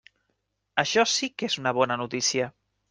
Això sí que és una bona notícia.